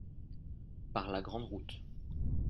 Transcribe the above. par la grande route.